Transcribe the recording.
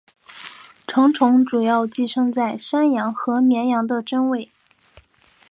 成虫主要寄生在山羊和绵羊的真胃。